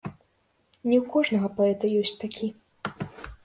Не ў кожнага паэта ёсць такі.